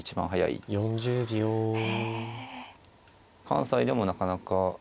関西でもなかなか。